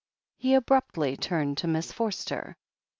He abruptly turned to Miss Forster.